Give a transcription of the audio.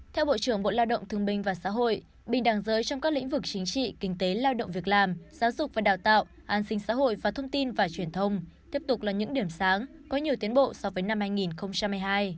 theo bộ trưởng bộ lao động thương minh và xã hội bình đẳng giới trong các lĩnh vực chính trị kinh tế lao động việc làm giáo dục và đào tạo an sinh xã hội và thông tin và truyền thông tiếp tục là những điểm sáng có nhiều tiến bộ so với năm hai nghìn hai mươi hai